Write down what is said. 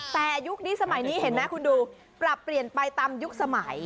แต่ยุคนี้สมัยนี้เห็นไหมคุณดูปรับเปลี่ยนไปตามยุคสมัย